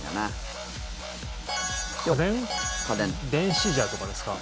電子ジャーとかですか？